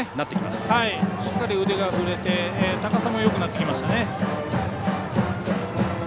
しっかり腕が振れて高さもよくなってきましたね。